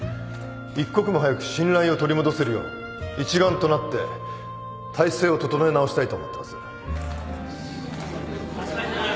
一刻も早く信頼を取り戻せるよう一丸となって体制を整え直したいと思ってます。